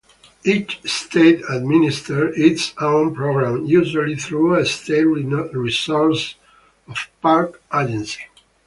Each State administers its own program, usually through a State resource or park agency.